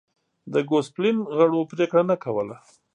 د ګوسپلین غړو پرېکړه نه کوله.